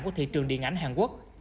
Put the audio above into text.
của thị trường điện ảnh hàn quốc